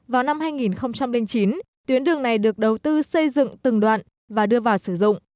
vào năm hai nghìn chín tuyến đường này được đầu tư xây dựng từng đoạn và đưa vào sử dụng